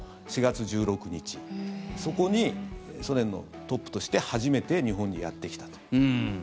そこにソ連のトップとして初めて日本にやってきたと。